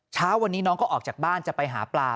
เช้าวันนี้น้องก็ออกจากบ้านจะไปหาปลา